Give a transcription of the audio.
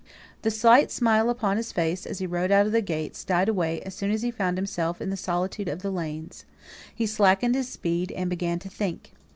The slight smile upon his face, as he rode out of the gates, died away as soon as he found himself in the solitude of the lanes. He slackened his speed, and began to think.